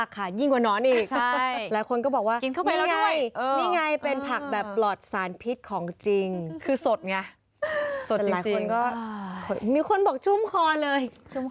กินแบบละครึ่งเลย